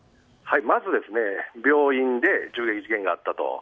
まず病院で銃撃事件があったと。